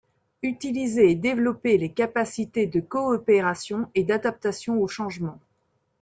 Utiliser et développer les capacités de coopération et d’adaptation au changement.